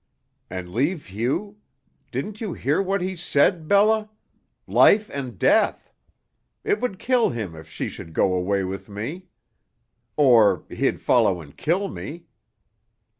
"And leave Hugh? Didn't you hear what he said, Bella? Life and death! It would kill him if she should go away with me. Or he'd follow and kill me."